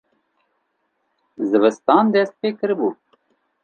zivistan dest pê kiribû